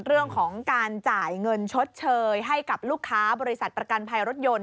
เรื่องของการจ่ายเงินชดเชยให้กับลูกค้าบริษัทประกันภัยรถยนต์